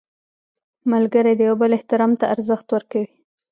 ملګری د یو بل احترام ته ارزښت ورکوي